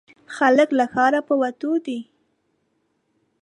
خلک له ښاره په وتو دي.